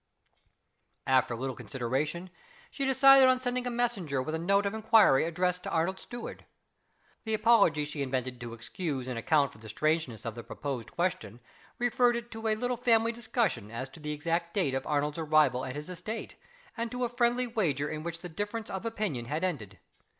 After a little consideration she decided on sending a messenger with a note of inquiry addressed to Arnold's steward. The apology she invented to excuse and account for the strangeness of the proposed question, referred it to a little family discussion as to the exact date of Arnold's arrival at his estate, and to a friendly wager in which the difference of opinion had ended.